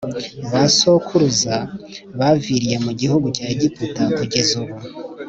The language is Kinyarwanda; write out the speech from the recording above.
ba sokuruza baviriye mu gihugu cya Egiputa kugeza uyu